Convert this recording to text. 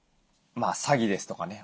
詐欺ですとかね